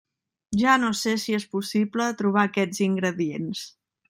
Ja no sé si és possible trobar aquests ingredients.